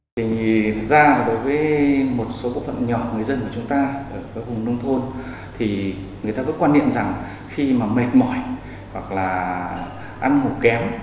thật ra đối với một số bộ phận nhỏ người dân của chúng ta ở hùng nông thôn thì người ta có quan niệm rằng khi mà mệt mỏi hoặc là ăn ngủ kém